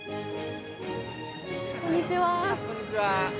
こんにちは。